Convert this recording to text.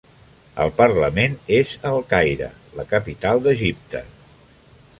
El Parlament és a El Caire, la capital d'Egipte.